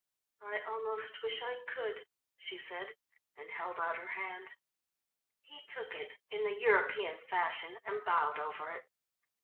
"I almost wish I could," she said and held out her hand. He took it in the European fashion and bowed over it.